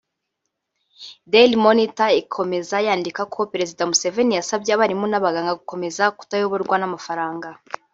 Daily Monitor ikomeza yandika ko Perezida Museveni yasabye abarimu n’abaganga gukomeza kutayoborwa n’amafaranga